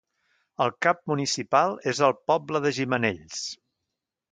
El cap municipal és el poble de Gimenells.